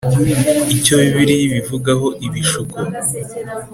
Icyo Bibiliya ibivugaho Ibishuko